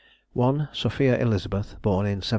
Sophia Elizabeth, born in 1733.